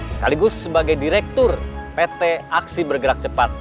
sekaligus sebagai direktur pt aksi bergerak cepat